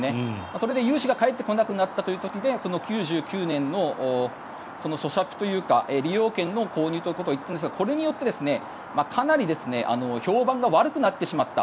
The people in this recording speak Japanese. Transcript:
それで融資が返ってこなくなった時には９９年の租借というか利用権の購入ということを言っているんですがこれによって、かなり評判が悪くなってしまった。